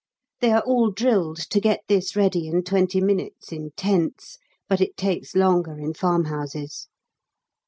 They are all drilled to get this ready in twenty minutes in tents, but it takes longer in farmhouses.